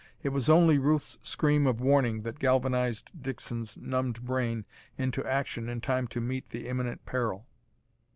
It was only Ruth's scream of warning that galvanized Dixon's numbed brain into action in time to meet the imminent peril.